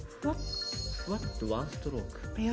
ふわっとワンストローク。